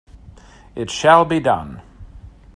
It shall be done!